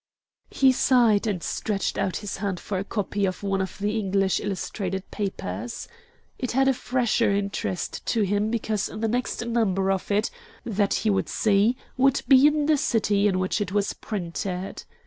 He sighed, and stretched out his hand for a copy of one of the English illustrated papers. It had a fresher interest to him because the next number of it that he would see would be in the city in which it was printed.